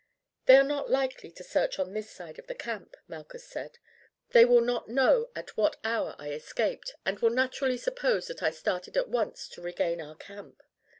"They are not likely to search on this side of the camp," Malchus said. "They will not know at what hour I escaped, and will naturally suppose that I started at once to regain our camp.